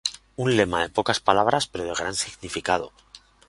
Un lema de pocas palabras pero de gran significado.